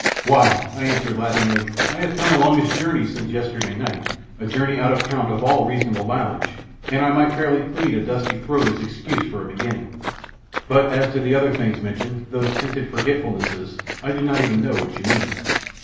"Why," I answered laughingly, "I have come a longish journey since yesterday night a journey out of count of all reasonable mileage and I might fairly plead a dusty throat as excuse for a beginning; but as to the other things mentioned, those tinted forgetfulnesses, I do not even know what you mean."